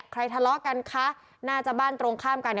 ทะเลาะกันคะน่าจะบ้านตรงข้ามกัน